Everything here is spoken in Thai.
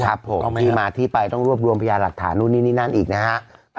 ครับผมที่มาที่ไปต้องรวบรวมพยานหลักฐานนู่นนี่นี่นั่นอีกนะฮะ